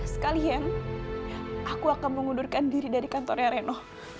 sekalian aku akan mengundurkan diri dari kantornya reno